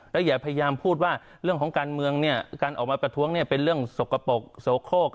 แล้วอย่าพยายามพูดว่าเรื่องของการเมืองเนี่ยการออกมาประท้วงเป็นเรื่องสกปรกโสโคก